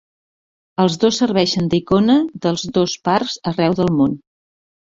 Els dos serveixen d'icona dels dos parcs arreu del món.